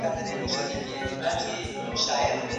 که تعلیم لارښوونه وکړي، هڅه نه بې لارې کېږي.